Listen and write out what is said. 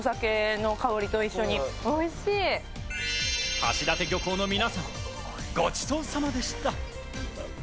橋立漁港の皆さん、ごちそうさまでした。